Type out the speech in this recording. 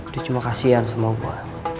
dia cuma kasian sama gue